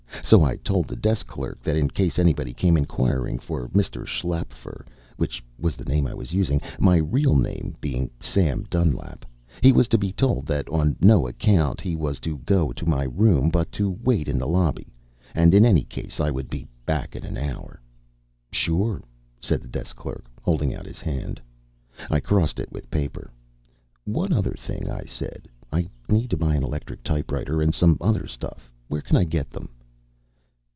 So I told the desk clerk that in case anybody came inquiring for Mr. Schlaepfer, which was the name I was using my real name being Sam Dunlap he was to be told that on no account was he to go to my room but to wait in the lobby; and in any case I would be back in an hour. "Sure," said the desk clerk, holding out his hand. I crossed it with paper. "One other thing," I said. "I need to buy an electric typewriter and some other stuff. Where can I get them?"